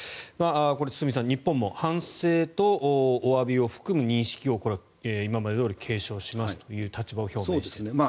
これ、堤さん日本も反省とおわびを含む認識を今までどおり継承しますという立場を表明しています。